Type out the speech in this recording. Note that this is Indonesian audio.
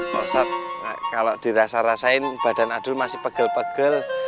rosat kalau dirasa rasain badan adul masih pegel pegel